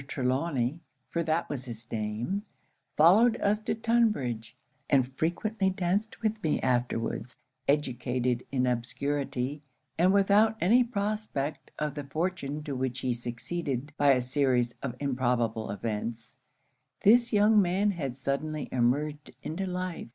Trelawny (for that was his name) followed us to Tunbridge, and frequently danced with me afterwards. Educated in obscurity, and without any prospect of the fortune to which he succeeded by a series of improbable events, this young man had suddenly emerged into life.